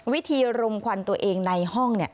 วิธีรมควันตัวเองในห้อง